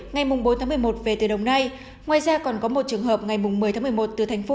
ngày bốn tháng một mươi một về từ đồng nai ngoài ra còn có một trường hợp ngày một mươi tháng một mươi một từ thành phố